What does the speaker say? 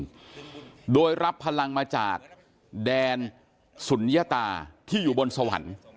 ไม่ได้จริงโดยรับพลังมาจากแดนสุญญตาที่อยู่บนสวรรค์